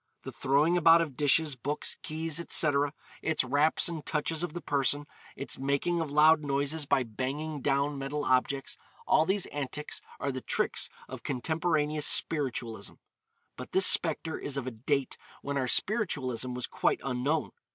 The throwing about of dishes, books, keys, etc.; its raps and touches of the person; its making of loud noises by banging down metal objects; all these antics are the tricks of contemporaneous spiritualism. But this spectre is of a date when our spiritualism was quite unknown.